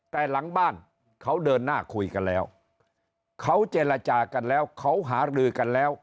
แต่หลังบ้านเขาเดินหน้าคุยกันแล้วเขาเจรจากันแล้วเขาหารือกันแล้ว